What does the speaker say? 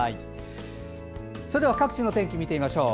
それでは各地の天気見てみましょう。